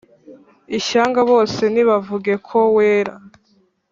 ishyanga bose nibavuge ko wera